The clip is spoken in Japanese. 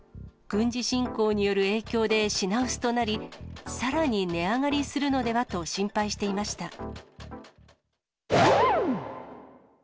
軍事侵攻による影響で、品薄となり、さらに値上がりするのではと心配していました。